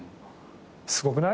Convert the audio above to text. すごくない？